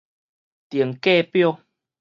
定價表